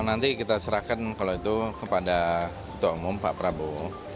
nanti kita serahkan kalau itu kepada ketua umum pak prabowo